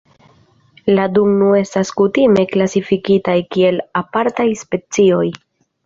La du nun estas kutime klasifikitaj kiel apartaj specioj.